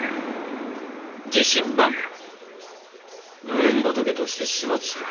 無縁仏として始末しろ。